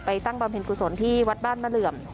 ตั้งบำเพ็ญกุศลที่วัดบ้านมะเหลื่อม